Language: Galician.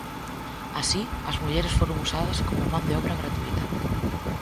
Así, as mulleres foron usadas como man de obra gratuíta.